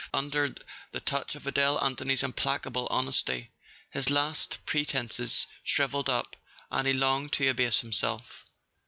Under the touch of Adele Anthony's implacable honesty his last pretenses shrivelled up, and he longed to abase himself.